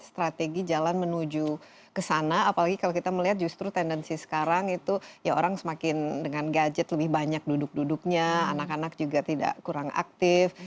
jadi strategi jalan menuju ke sana apalagi kalau kita melihat justru tendensi sekarang itu ya orang semakin dengan gadget lebih banyak duduk duduknya anak anak juga tidak kurang aktif